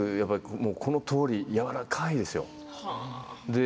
このとおりやわらかいんですよ。